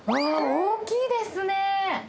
大きいですね。